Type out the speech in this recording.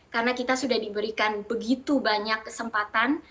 karena kita sudah diberikan begitu banyak kesempatan